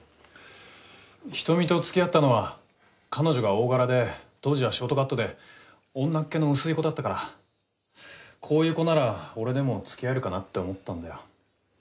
仁美とつきあったのは彼女が大柄で当時はショートカットで女っ気の薄い子だったからこういう子なら俺でもつきあえるかなって思ったんだよ。